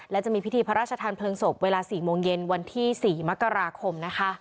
และจะมีพิธีพระราชทานเพลิงศพเวลา๔โมงเย็นวันที่๔มกราคมนะคะ